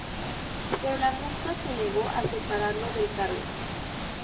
Pero la Junta se negó a separarlo del cargo.